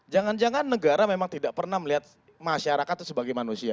jangan jangan negara memang tidak pernah melihat masyarakat itu sebagai manusia